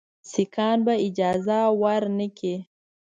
سیکهان به اجازه ورنه کړي.